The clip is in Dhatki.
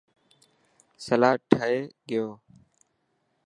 سلاد ٺهي گيو.